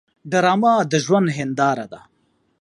ډرامه د ژوند هنداره ده